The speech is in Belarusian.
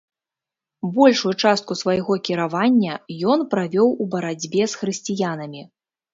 Большую частку свайго кіравання ён правёў у барацьбе з хрысціянамі.